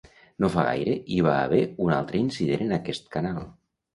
No fa gaire hi va haver un altre incident en aquest canal.